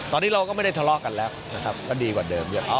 ตอนนี้เราก็ไม่ได้ทะเลาะกันแล้วนะครับก็ดีกว่าเดิมเยอะ